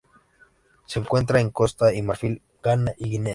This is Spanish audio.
Se encuentra en Costa de Marfil, Ghana y Guinea.